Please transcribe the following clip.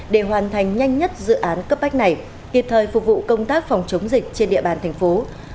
để hoàn thành nhanh nhất dự án cấp bách này kịp thời phục vụ công tác phòng chống dịch trên địa bàn thành phố